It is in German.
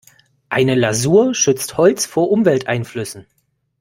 Eine Lasur schützt Holz vor Umwelteinflüssen.